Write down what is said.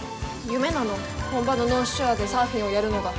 夢なの本場のノースショアでサーフィンをやるのが。